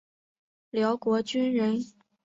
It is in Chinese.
辽国军人。